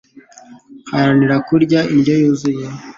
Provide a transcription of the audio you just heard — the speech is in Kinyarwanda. Haranira kurya indyo yuzuye